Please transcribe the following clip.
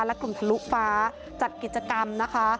และกลุ่มทะลุฟ้าจัดกิจกรรมนะคะ